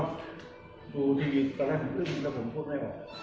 ดูดีตอนแรกผมคุ้บเลยว่า